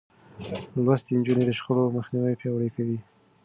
لوستې نجونې د شخړو مخنيوی پياوړی کوي.